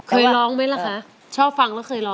เคยร้องมั้ยล่ะค่ะชอบฟังแล้วเคยร้องมั้ย